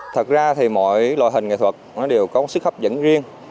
thật ra thì mọi loại hình nghệ thuật nó đều có sức hấp dẫn riêng